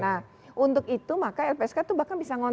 nah untuk itu maka lpsk tuh bahkan bisa ngomong